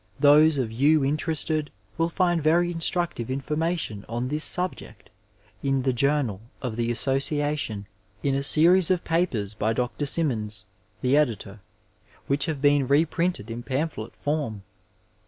Those of you interested will find very instructive information on this subject in the Journal of the association in a series of papers by Dr. Simmons, the editor, which have been reprinted in pamphlet form.